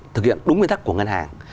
thực hiện đúng nguyên tắc của ngân hàng